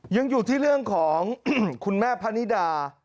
ยังอยู่ที่เรื่องของคุณแม่พะนิดา